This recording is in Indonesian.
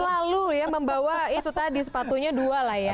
selalu ya membawa itu tadi sepatunya dua lah ya